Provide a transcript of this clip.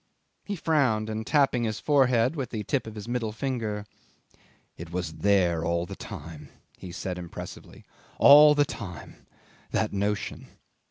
He frowned, and tapping his forehead with the tip of his middle finger, "It was there all the time," he said impressively. "All the time that notion.